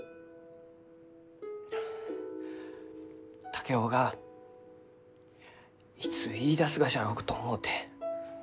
竹雄がいつ言いだすがじゃろうと思うて。